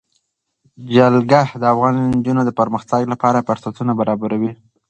جلګه د افغان نجونو د پرمختګ لپاره فرصتونه برابروي.